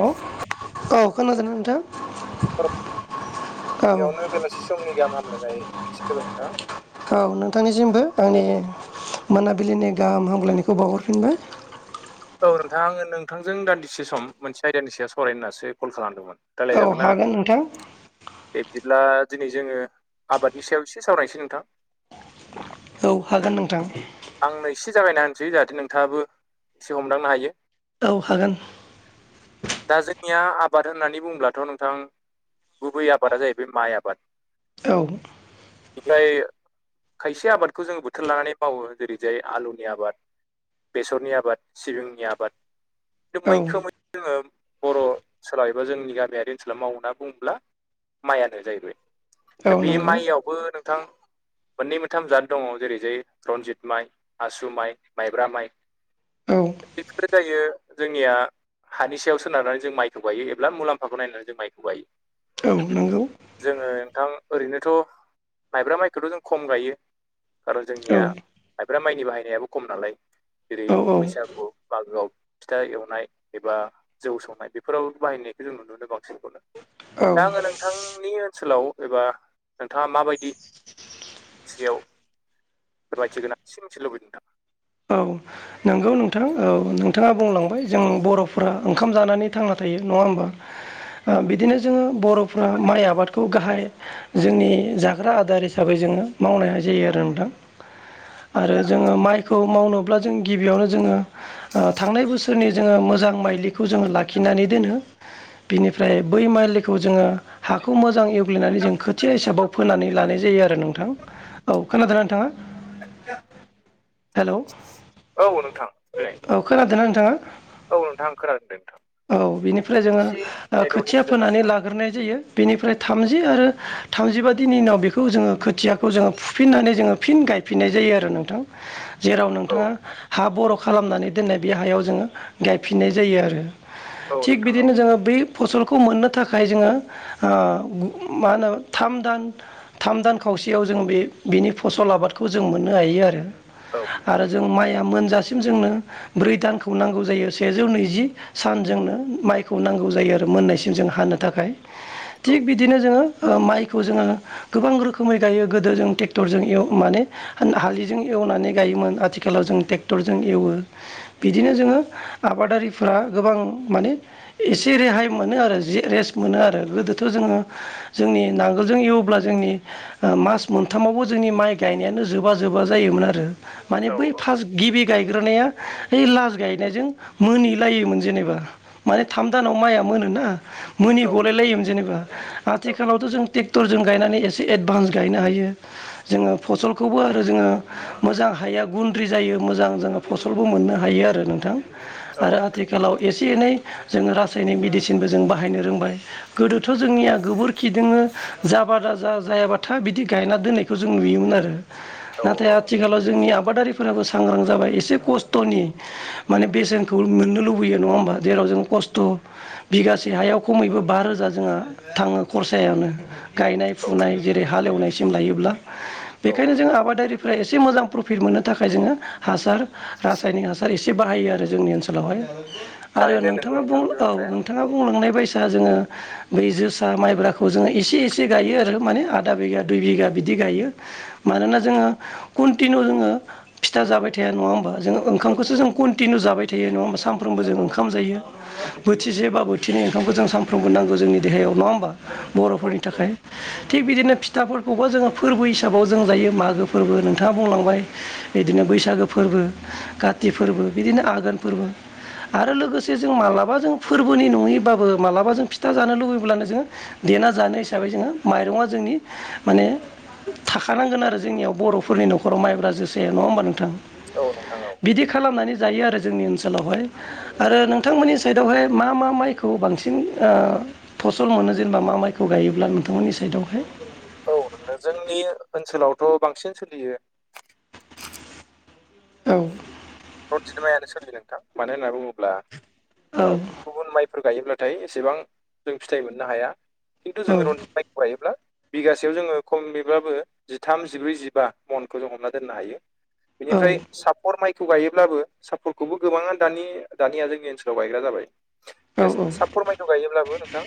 Hello औ खोनादोंना नोंथां? औ औ गिबियावनो बेलासि समनि गाहाम हामलायनाय सिग्रोबाय नोंथां। औ नोंथांनिसिमबो आंनि मोनाबिलिनि गाहाम हामग्लायनायखौ बावहरफिनबाय। औ नोंथां आङो नोंथांजों दान्दिसे सम मोनसे आयदानि सायाव सावरायनो होननासो कल खालामदोंमोन। रायलाय औ जागोनना हागोन नोंथां बेबब्दिब्ला दिनै जोङो आबादनि सायाव एसे सावरायनोसै नोंथां। औ हागोन नोंथां। आंनो एसे जागायना होनसै जाहाथे नोंथाङाबो एसे हमदांनो हायो औ हागोन दा जोंनिया आबाद होननानै बुंङब्लाथ नोंथां गुबै आबादा जाहैबाय माइ आबाद औ बिखाय खायसे आबादखौ जोङो बोथोर लानानै मावो जेरैजाय आलुनि आबाद बेसरनि आबाद सिबिंनि आबाद बिखो औ मैखोमै जोङो बर ओनसोलाव एबा जोंनि गामियारि ओनसोलाव माव होनना बुङोब्ला माइयानो जाहैबाय औ दा बे नंगौ माइयावबो नों थां मोननै मोनथाम जाद दङ जेरै जाय रनजित माइ आसु माइ माइब्रा माइ औ [unintelligible] जायो जोंनिया हानि सायाव सोनारनानै जों माइखौ गायो एब्ला मुलाम्फाखौ नायनानै जों माइखौ गायो औ नोंगौ जोङो नोंथां ओरैनोथ माइब्रा माइखौथ जों खम गायो खारन औ जोंनिया मइफ्रा माइनि बाहायनायाबो खम नालाय जेरै औ [unintelligible] मागोआव फिथा एवनाय एबा जौ संनाय बेफोराव बाहायनायखौ जों नुुनोमोनो बांसिनखौनो औ दा आङो नोंथांनि ओनसोलाव एबा नोंथाङा माबायदि सेयाव फोरमायथि गोनां सि मिथि लुबैदों नोंथां औ नंगौ नोंथां औ नोंथाङा बुंलांबाय जों बरफोरा ओंखाम जानानै थांना थायो नङा होमबा ओ बिदिनो जोङो बरफ्रा माइ आबादखौ गाहाय जोंनि जाग्रा आदार हिसाबै जोङो मावनाय जायो आरो नोंथां आरो जोङो माइखौ मावनोब्ला जों गिबियावनो जोङो ओ थांनाय बोसोरनि जोङो मोजां माइलिखौ जोङो लाखिनानै दोनो बिनिफ्राय बै माइलिखौ जोङो हाखौ मोजां एवग्लिनानै जों खोथिया हिसाबाव फोनानै लानाय जायो आरो नोंथां औ खोनादोंना नोंथाङा हेलौ औ नोंथां देलाय औ खोनादोंना नोंथाङा? औ नोंथां खोनादों नोंथां औ बिनिफ्राय एसे जोङो नेटवर्क खोथिया इसु जादोंमोन फोनानै ला हाग्रोनाय जायो बेनिफ्राय थामजि आरो थामजिबादिनि उनाव बेखौ जोङो खोथियाखौ जोङो फुफिननानै जोङो फिन गायफिननाय जायो आरो नोंथां [inaudible] जेराव नोंथां औ नोंथाङा हा बर खालामनानै दोननाय बे हायाव जोङो गायफिननाय जायो आरो औ थिग नोंथां औ बिदिनो जोङो बै फसल खौ मोननो थाखाय जोङो मा होनो थाम दान थाम दान खावसेयाव जोङो बे बिनि फसल आबादखौ जों मोननो हायो आरो आरो जों माइ दासिम जोंनो ब्रै दानखौ नांगौ जायो सेजौ नैजि सानजोंनो माइखौ नांगौ जायो आरो मोननायसिम जों हानो थाखाय थिग औ बिदिनो जोङो माइखौ जोङो गोबां रोखोमै गायो गोदो जों ट्रेक्टरजों माने हालिजों एवनानै गायोमोन आथिखालाव जों ट्रेक्टरजों एवो बिदिनो जोङो आबादारिफोरा गोबां माने एसे रेहाय मोनो आरो जे रेस्ट मोनो आरो गोदोथ जोङो जोंनि नांगोलजों एवब्ला जोंनि मास मोनथामावबो जोंनि माइ गायनायानो जोबा जोबा जायोमोन आरो माने औ बै फास गिबि गायग्रानाया ओइ लास गायनायजों मोनहनिलायोमोन जेनेबा माने थाम दानाव माइया मोनो ना मोनि औ गलाय नोंथां लायोमोन जेनेबा औ आथिखालावथ' जों ट्रेक्टरजों गायनानै एसे एडभान्स गायनो हायो जोङो फसलखौबो आरो जोङो मोजां हाया गुन्द्रि जायो मोजां जोङो फसलबो मोननो हायो आरो नोंथां औ आरो नोंथां आथिखालाव एसे एनै जोङो रासायनिक मेडिसिनबो जों बाहायनो रोंबाय गोदोथ' जोंनिया गोबोरखिदोंनो जाबादा जा जायाबाथाया बिदि गायना दोनै खौ जों नुयोमोन आरो औ नाथाय आथिखालाव जोंनि आबादारि फोराबो सांग्रां जाबाय एसे खस्थ'नि माने बेसेनखौ मोननो लुबैयो नंङा होमबा जेराव जों खस्थ' बिगासे हायाव खमैबो बा रोजा जोंहा थाङो खरसायानो गायनाय औ फुनाय जेरै हाल एवनायसिम लायोब्ला औ बेखायनो जों नोंथां आबादारिफ्रा एसे मोजां प्रफिट मोननो थाखाय जोङो हासार रासायनिक हासार एसे बाहायो आरो जोंनि ओनसोलावहाय आरो थारैनो नोंगौ नोंथाङा बुं नोंथां बे औ बाथ्राया नोंथाङा औ बुंलांनाय बायसा जोङो बै जोसा माइब्राखौ जोङो एसे एसे गायो आरो माने आधा बिगा दुइ बिघा बिदि गायो मानोना जोङो कन्टिनिउ जोङो फिथा जाब थाया नङा होमा जोङो ओंखामखौसो औ जों औ कन्टिनिउ जाबाय थायो नङा होमबा साम सानफ्रोमबो जों नंगौ ओंखाम नंगौ जायो बोथिसे बा बोथिनै ओंखखौ जों सानफ्रोमबो नांगौ जोंनि देहायाव नङा होनोमबा नंगौ बर'फोरनि नंगौ थाखाय थिग बिदिनो फिथाफोरखौबो जोङो फोरबो हिसाबाव जों जायो मागो फोरबो नोंथाङा बुंलांबाय बिदिनो बैसागो फोरबो काति फोरबो बिदिनो आघोन फोरबो आरो लोगोसे जों मालाबा जों फोरबोनि नङैबाबो मालाबा जों फिथा जानो लुुबैब्लानो जोङो देना जानो हिसाबै जोङो माइरंआ जोंनि माने थाखानांगोन आरो जोंनियाव बर'फोरनि न'खराव माइब्रा जोसाया नङा होमबा नोंथां औ नोंथां औ बिदि खालामनानै जायो आरो जोंनि ओनसोलावहाय आरो नोंथांमोननि साइडआवहाय मा मा माइखौ बांसिन फसल मोनो जेनेबा मा माइखौ गायोब्ला नोंथांमोननि साइदआवहाय औ जोंनि ओनसोलावथ' बांसिन सोलियो औ रन्जित मायानो सोलियो नोंथां मानो होनना बुङोब्ला औ गुबुन माइफोर गायोब्लाथाय एसेबां जों फिथाइ मोननो हाया खिन्थु जोंङो रनजित माइ फायोब्ला बिगासेयाव जोङो खमैब्लााबबो जिथाम जिब्रै जिबा मनखौ जों हमना दोननो हायो औ बेनिफ्राय सापर माइखौ खौखौ गायोब्लाबो सापर्टखौबो गोबांङानो द दानिया जोंनि ओनसोलाव गायग्रा औ जाबाय सापर माय ज गायोब्लाबो नोंथां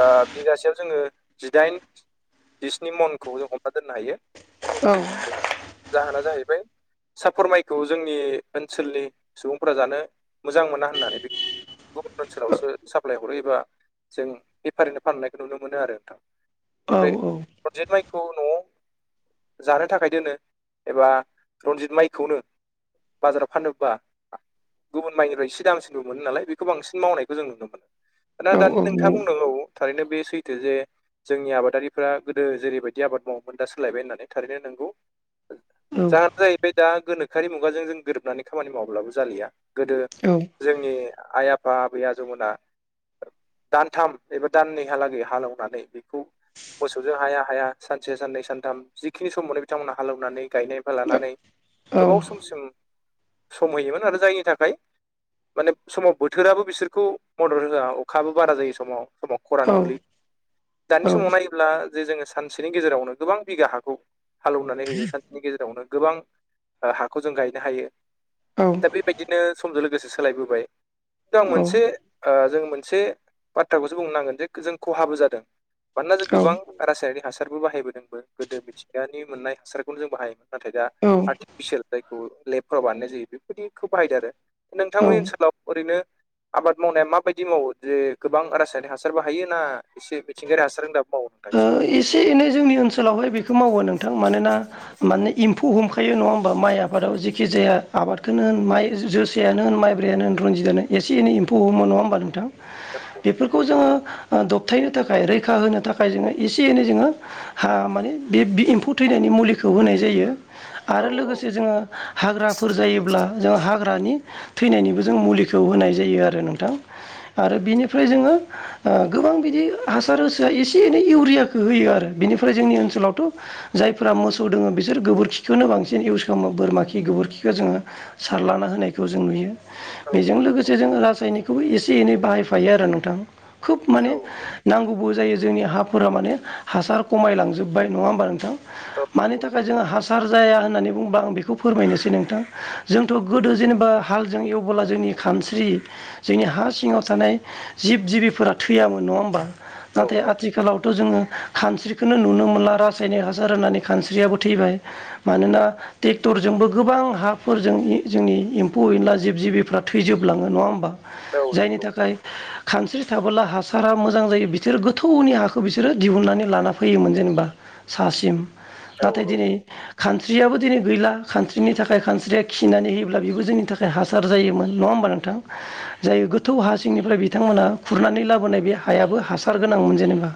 ओ बिगासेयाव जोंङो जिदाइन बिसनि मनखौ जों हमना दोननो हायो औ जाहोना जाहैबाय सापरमाइखौ जोंनि ओनसोलनि सुबुंफोरा जानो मोजां मोना होननानै बे गुबुन ओनसोलावसो साप्लाय हरो एबा जों बेफारिनो फाननायखौ नुनो मोनो आरो नोंथां। औ ओमफ्राय औ। रनजित माइखौ न'आव जानो थाखाय दोनो एबा रनजित माइखौनो बाजाराव फानबा गुबुन माइनिफ्राय इसे दामसिनबो मोनो नालाय बेखौ बांसिन मावनायखौ जों नुनो मोनो दा औ औ दानि नोंथाङा नंगौ बुंनांगौ थारैनो बे सैथो जे जोंनि आबादारिफ्रा गोदो जेरैबायदि आबाद मावोमोन दा सोलायबाय होननानै थारैनो नोंगौ। औ जाहोना जाहैबाय दा गोनोखोआरि मुगाजों जों गोरोबनानै खामानि मावाब्लाबो जालिया। गोदो जोंनि आइ आफा आबै आजौमोना दानथाम एबा दाननैहालागै हालेवनानै बेखौ मोसौजों हाया हाया सानसे साननै सानथाम जिखिनि समावनो बिथांमोनहा हालौवनानै गायनायफाय लानानै गोबाव समसिम समहयोमोन आरो जायनि थाखाय माने समाव बोथोराबो बिसोरखौ मदद होआ अखाबो बारा जायो समाव समाव। खरान औ औ गोलै दानि औ समाव [unintelligible] ब्ला जे जोङो सानसेनि गेजेरावनो गोबां बिगा हाखौ हालौवनानै होयो सानसेनि गेजेरावनो गोबां ओ हाखौ जों गायनो हायो। औ दा बेबायदिनो समजों लोगोसे सोलायबोबाय। आं मोनसे जों मोनसे बाथ्राखौसो बुंनो नांगोन जे जों खहाबो जादों। मानोना जों गोबां। औ रासायनिक हासारबो बाहायबोदोंबो गोदो मिथिंगानि मोननाय हासारखौनो जों बाहायोमोन नाथाय दा औ बिसोर जायखौ लेबफोराव बानायनाय जायो बेफोरबायदिखौबो बाहायदों आरो ओ नोंथांमोननि ओनसोलाव ओरैनो। आबाद मावनाया माबायदि मावो जे गोबां रासायनिक हासारबो हायो ना? एसे मिथिंगायारि हासार होन दाब माव ओ एसे एनै जोंनि ओनसोलावहाय बेखौ मावो नोंथां मानोना माने एम्फौ हम [unintelligible] नङा होमबा माइ आफादाव जेखि जाया आबादखोनो होन माइ जोसेायानो होन माइब्रायानो होन रनजितआानो एसे एनै एम्फौ हमो नङा होमबा नोंथां? फोरमायदो बेफोरखौ जोङो दबथायनो थाखाय रैखा होनो थाखाय जोङो एसे एनै जोङो हा माने बे एम्फौ थैनायनि मुलिखौ होनाय जायो। आरो औ लोगोसे जोङो हाग्राफोर जायोब्ला। जों हाग्रानि थैनायनिबो जों मुलिखौ होनाय जायो आरो नोंथां। आरो बिनिफ्राय जोङो ओ गोबां बिदि हासार एसे एनै इउरियाखौ होयो आरो बेनिफ्राय जोंनि ओनसोलावथ' जायफोरा मोसौ दोङो बिसोर गोबोरखिखौनो बांसिन इउस खालामो बोरमा खि गोबोरखिखौ जोङो सारलाना होनायखौ जों नुयो। औ बेजों नोंथां लोगोसे जों रासायनिकखौबो एसे एनै बाहायफायो आरो नोंथां खोब माने औ नांगौबो जायो जोंनि हाफोरा माने हासार खमायलांजोबबाय नङा होमबा नोंथां? औ मानि नंगौ नोंथां थाखाय नंगौ जोङो हासार जाया होननानै बुंबा आं बेखौ बेखौ फोरमायनोसै नोंथां। जोंथ' गोदो जेनेबा हालजों एवबोला जोंनि खानस्रि जोंनि हा सिङाव थानाय जिब जिबिफोरा थैयामोन नङा होमबा औ नाथाय आथिखालाव [unintelligible] खानस्रिखोनो नुनो मोनला रासायनिक हासार होननानै खानस्रियाबो थैबाय मानोना ट्रेक्टरजोंबो गोबां हाफोरजों जोंनि एम्फौ एनला जिब जिबिफ्रा थैजोबलाङो नङा होमबा? औ जायनि नंगौ थाखाय नंगौ खानस्रि थाबोला हासारा मोजां जायो बिसोरो गोथौनि हा खौ बिसोरो दिहुननानै लाना फैयोमोन जेनेबा सासिम औ नाथाय दिनै औ खान्स्रियाबो दिनै गैला खान्स्रिनि थाखाय खानस्रिया खिनानै होयोब्ला बेखौ जोंनि थाखाय हा सार जायोमोन नङा होमबा नोंथां? जायो गोथौ हा नोंथां सिंनिफ्राय बिथांमोना खुरनानै लाबोनाय बे हायाबो हासार गोनांमोन जेनेबा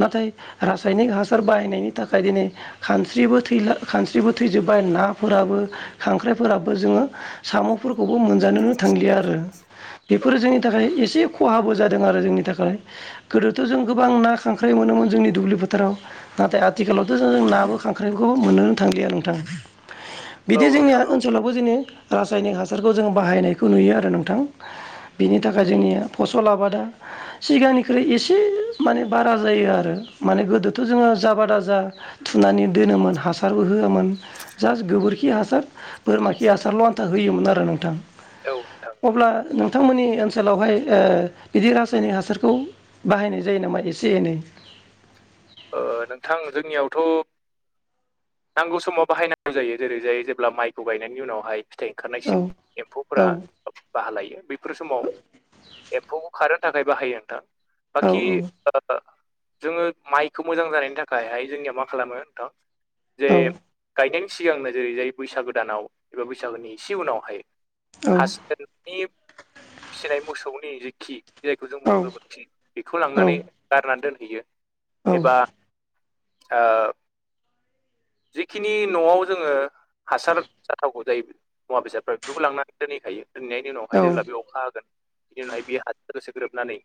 नाथाय रासायनिक हासार बाहायनायनि थाखाय दिनै खानस्रिबो थैला खानस्रिबो थैजोब्बाय नाफोराबो खांख्राइफोराबो जोङो साम'फोरखौबो मोनजानोनो थांलिया आरो औ बेफोरो जोंनि थाखाय एसे खहाबो जादों आरो जोंनि थाखाय गोदोथ' जों गोबां ना खांख्राय मोनोमोन जोंनि दुब्लि फोथाराव। नाथाय आथिखालावथ' जों नाबो खांख्राइखौबो मोनोनो थांलिया नोंथां। औ बिदि जोंनिया नोंथां औ ओनसोलावबो जोंनि रासायनिक हासारखौ जोंङो बाहायनायखौ नुयो आरो नोंथां। बिनि थाखाय जोंनिया फसल आबादा सिगांनिख्रुइ एसे माने बारा जायो आरो माने गोदोथ' जोङो जाबादा जा थुनानै दोनोमोन हासारबो होयामोन जास्ट गोबोरखि हासार। बोरमा खि हासारल' आन्था होयोमोन आरो नोंथां औ नोंथां औ अब्ला नों नोंमोननि ओनसोलावहाय ओ बिदि रासायनिक हासारखौ बाहायनाय जायो नामा एसे एनै ओ नोंथां जोंनियावथ' नांगौ समाव बाहायनांगौ जायो जेरै जाय जेब्ला माइखौ गायनायनि उनावहाय फिथाइ ओंखारनायसै औ एम्फौफोरा औ बाहा लायो बेफोर समाव एम्फौ खारनो थाखाय बाहायो नोंथां। औ बाखि ओ जोङो माइ खौ मोजां जानायनि थाखायहाय जोंनिया मा खालामो नोंथां जे औ गायनायनि सिगांनो जेरै जाय बैसागो दानाव एबा बैसागोनि इसे उनावहाय औ हासोन नि फिसिनाय मोसौनि जेखि जायखौ जों औ मुं गोबोरखि बेखौ औ लांनानै गारना दोनहैयो एबा ओ जिखिनि न'आव जोङो हासार जाथावगौ जायो मुवा बेसादफोरखौबो लांनानै दोनहैखायो। दैनायनि उनावहाय जेब्ला बे अखा होगोन बेनि उनावहाय बेयो हासार गोसो ग्रोबनानै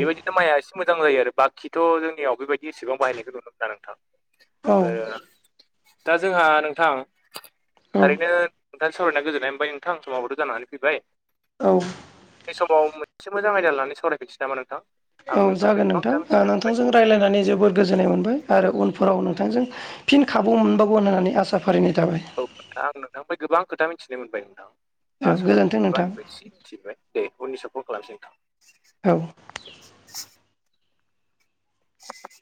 बेबायदि माइआ एसे मोजां जायो आरो बाखिथ' जोंनियाव बेबायदि इसेबां बाहायनायखौ नुनो मोना नोंथां। औ ओ दा जोंहा नोंथां थारैनो नोंथां सावरायना गोजोननाय ओमफ्राय नोंथांं समावाबथ' जानानै फैबाय। औ बे समाव मोनसे मोजां आयदा लानानै सावरायफिन्नोसै नामा नोंथां? आं औ जागोन नोंथांनिफ्राय गोबां नोंथां खोथा ओ मिथिनो मोनबाय नोंथांजों रायज्लायनानै जोबोर गोजोननाय मोनबाय आरो उनफोराव नोंथांजों फिन खाबु मोनबावगोन होननानै आसा फारिनाय थाबाय औ आं नोंथांनिफ्राय गोबां खोथा मिथिनो मोनबाय नोंथां औ आ गोजोन्थों नोंथां आंनिफ्राय एसे मिथिबाय दे उननि सापर्ट खालामसै नोंथां। औ [inaudible] [inaudible]